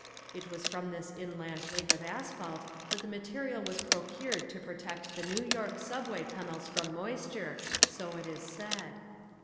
It was from this inland lake of asphalt that the material was procured to protect the New York subway tunnels from moisture, so it is said.